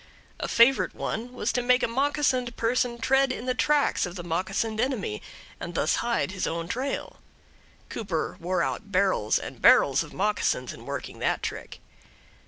A favorite one was to make a moccasined person tread in the tracks of the moccasined enemy, and thus hide his own trail. Cooper wore out barrels and barrels of moccasins in working that trick.